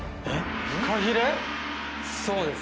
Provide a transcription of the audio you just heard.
そうです。